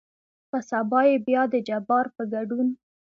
په سبا يې بيا دجبار په ګدون